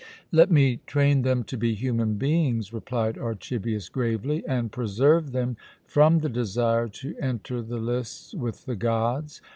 "Let me train them to be human beings," replied Archibius gravely, "and preserve them from the desire to enter the lists with the gods.